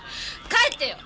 帰ってよ！